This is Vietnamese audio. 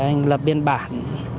anh lập biên bản